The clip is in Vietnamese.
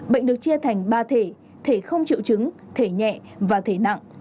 bệnh được chia thành ba thể thể không triệu chứng thể nhẹ và thể nặng